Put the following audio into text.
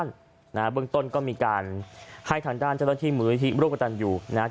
หลังจากนั้นเบื้องต้นก็มีการให้ทางด้านเจ้าต้นที่มูลวิทยาลัยศาสตร์รุกกระตันอยู่